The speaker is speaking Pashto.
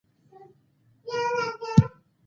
ښه شیبه مرګونې خاموشي وه، چې هېڅ ږغ نه و.